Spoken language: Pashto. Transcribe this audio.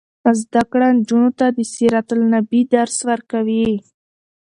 زده کړه نجونو ته د سیرت النبي درس ورکوي.